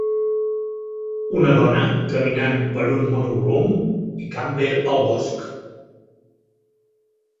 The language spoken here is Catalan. Una dona caminant per un monovolum i Camper al bosc